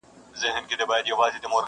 ستا د دې ښکلي ځوانیه سره علم ښه ښکارېږي،